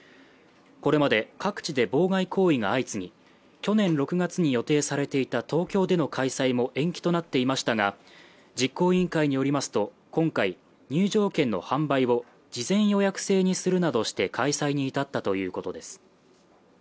これまで各地で妨害行為が相次ぎ去年６月に予定されていた東京での開催も延期となっていましたが実行委員会によりますと今回入場券の販売を事前予約制にするなどして開催に至ったということです